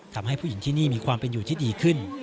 ทำให้ผู้หญิงที่นี่มีความเป็นอยู่ที่ดีขึ้น